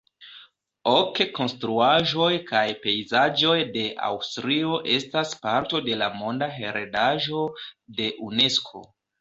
Ok konstruaĵoj kaj pejzaĝoj de Aŭstrio estas parto de la Monda heredaĵo de Unesko.